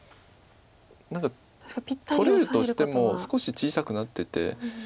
何か取れるとしても少し小さくなってて。